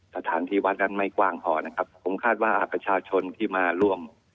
สถานที่วัดนั้นไม่กว้างพอนะครับผมคาดว่าประชาชนที่มาร่วม